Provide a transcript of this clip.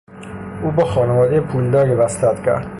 او با خانوادهی پولداری وصلت کرد.